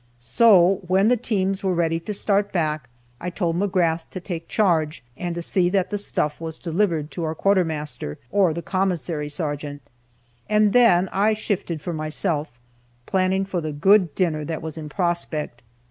So, when the teams were ready to start back, I told McGrath to take charge, and to see that the stuff was delivered to our quartermaster, or the commissary sergeant, and then I shifted for myself, planning for the good dinner that was in prospect.